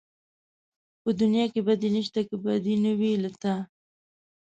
په دنيا کې بدي نشته که بدي نه وي له تا